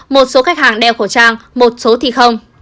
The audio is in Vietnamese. một số khách hàng đeo khẩu trang một số thì không